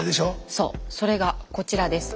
そうそれがこちらです。